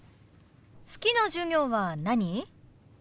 好きな授業は何？